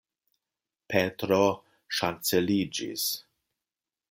Petro ŝanceliĝis.